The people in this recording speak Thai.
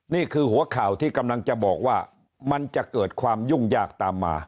นี่คือหัวข่าวที่กำลังจะบอกว่ามันจะเกิดความยุ่งยากตามมา